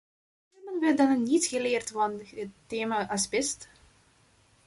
Hebben we dan niets geleerd van het thema asbest?